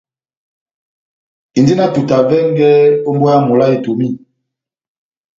Indini na etuta vɛngɛ ó mbówa mola Etomi.